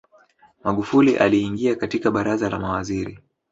magufuli aliingia katika baraza la mawaziri